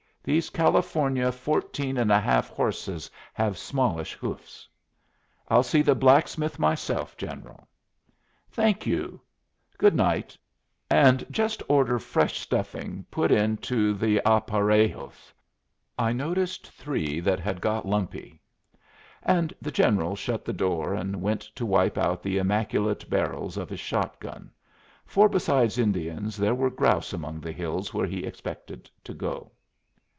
These California fourteen and a half horses have smallish hoofs." "I'll see the blacksmith myself, General." "Thank you. Good night. And just order fresh stuffing put into the aparejos. I noticed three that had got lumpy." And the General shut the door and went to wipe out the immaculate barrels of his shot gun; for besides Indians there were grouse among the hills where he expected to go.